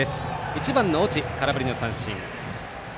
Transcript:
１番の越智、空振りの三振。